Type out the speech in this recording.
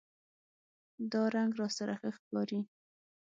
دا رنګ راسره ښه ښکاری